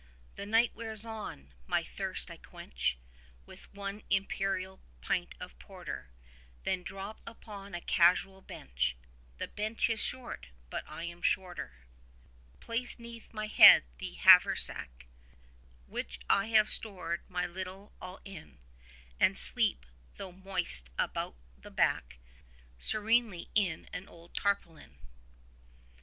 The night wears on: my thirst I quench With one imperial pint of porter; 10 Then drop upon a casual bench (The bench is short, but I am shorter) Place 'neath my head the havre sac Which I have stored my little all in, And sleep, though moist about the back, 15 Serenely in an old tarpaulin.